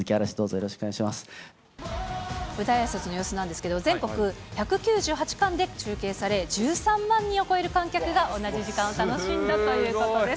よろしくお願舞台あいさつの様子なんですけれども、全国１９８館で中継され、１３万人を超える観客が同じ時間を楽しんだということです。